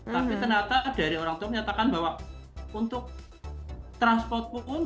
tapi ternyata dari orang tua menyatakan bahwa untuk transport pun